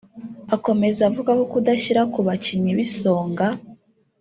Akomeza avuga ko kudashyira ku bakinnyi b’Isonga